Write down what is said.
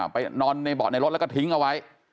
ไปนอนในเบาะในรถแล้วก็ทิ้งเอาไว้